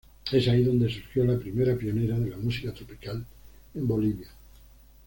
Es ahí donde surgió la primera pionera de la música tropical en Bolivia.